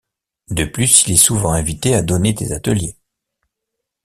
De plus, il est souvent invité à donner des ateliers.